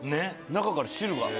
中から汁が。